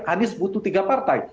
anies butuh tiga partai